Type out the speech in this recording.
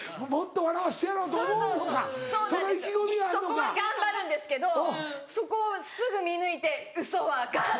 そこは頑張るんですけどそこをすぐ見抜いて「ウソはアカン」。